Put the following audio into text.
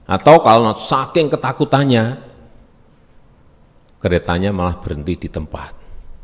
atau kalau saking ketakutannya keretanya malah berhenti di tempat